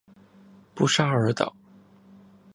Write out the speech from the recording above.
布沙尔岛。